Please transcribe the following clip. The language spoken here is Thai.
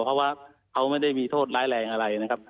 เพราะว่าเขาไม่ได้มีโทษร้ายแรงอะไรนะครับ